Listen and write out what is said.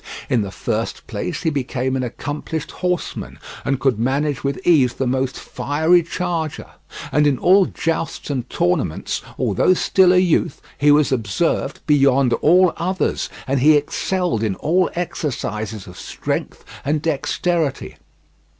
In the first place he became an accomplished horseman, and could manage with ease the most fiery charger, and in all jousts and tournaments, although still a youth, he was observed beyond all others, and he excelled in all exercises of strength and dexterity.